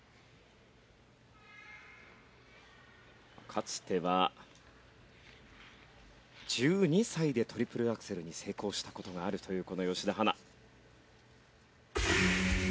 かつては１２歳でトリプルアクセルに成功した事があるというこの吉田陽菜。